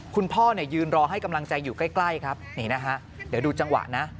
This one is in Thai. คุณพ่อเนี่ยยืนรอให้กำลังใจอยู่ใกล้ครับนี่นะฮะเดี๋ยวดูจังหวะนะ